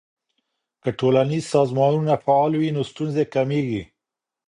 که ټولنیز سازمانونه فعال وي نو ستونزې کمیږي.